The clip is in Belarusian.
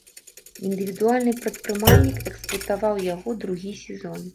Індывідуальны прадпрымальнік эксплуатаваў яго другі сезон.